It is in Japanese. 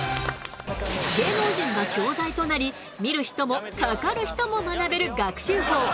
芸能人が教材となり見る人もかかる人も学べる学習法。